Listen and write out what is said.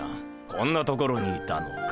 こんな所にいたのか。